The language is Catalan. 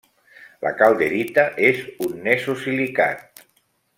La calderita és un nesosilicat.